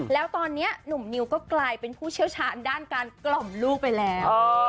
แล้วตอนนี้หนุ่มนิวก็กลายเป็นผู้เชี่ยวชาญด้านการกล่อมลูกไปแล้ว